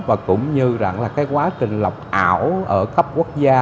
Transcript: và cũng như rằng là cái quá trình lọc ảo ở cấp quốc gia